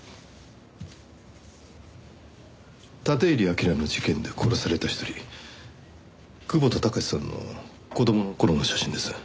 立入章の事件で殺された一人窪田宗さんの子供の頃の写真です。